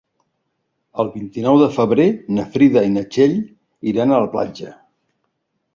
El vint-i-nou de febrer na Frida i na Txell iran a la platja.